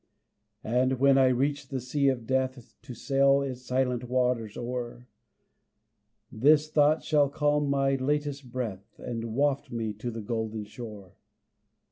And when I reach the sea of death, To sail its silent waters o'er, This thought shall calm my latest breath And waft me to the golden shore.